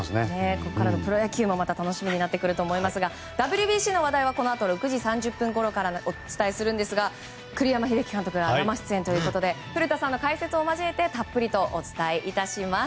このあとのプロ野球も楽しみになってくると思いますがＷＢＣの話題はこのあと６時３０分ごろからお伝えしますが栗山英樹監督が生出演ということで古田さんの解説を交えてたっぷりとお伝えいたします。